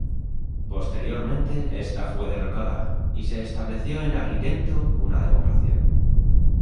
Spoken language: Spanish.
Posteriormente esta fue derrocada y se estableció en Agrigento una democracia.